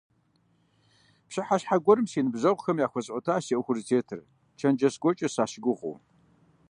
Пщыхьэщхьэ гуэрым си ныбжьэгъухэм яхуэсӀуэтащ си Ӏуэху зытетыр, чэнджэщ гуэркӀэ сащыгугъыу.